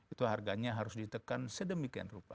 itu harganya harus ditekan sedemikian rupa